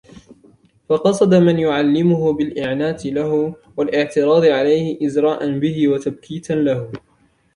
فَقَصَدَ مَنْ يُعَلِّمُهُ بِالْإِعْنَاتِ لَهُ وَالِاعْتِرَاضِ عَلَيْهِ إزْرَاءً بِهِ وَتَبْكِيتًا لَهُ